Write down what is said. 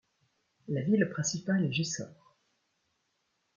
La ville principale est Jessore.